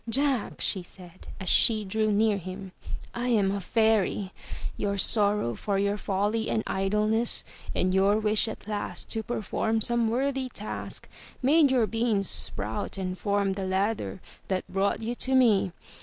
''Jack,'' she said as she drew near him, *'I am a fairy. Your sorrow for your folly and idleness and your wish at last to perform some worthy task made your beans sprout and formed the ladder that brought you to me.